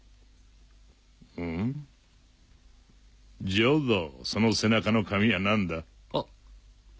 ジョドーその背中の紙は何だ？